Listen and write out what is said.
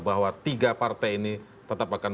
bahwa tiga partai ini tetap akan